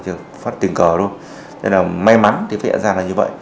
thì phát hiện ra là ung thư là ung thư phát tình cờ luôn